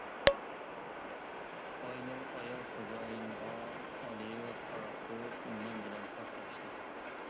ئاينۇر ئايال خوجايىنغا ئالىيىپ قاراپ قويۇپ مەن بىلەن خوشلاشتى.